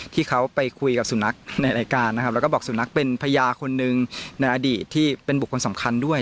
ที่เขาไปคุยกับสุนัขในรายการนะครับแล้วก็บอกสุนัขเป็นพญาคนนึงในอดีตที่เป็นบุคคลสำคัญด้วย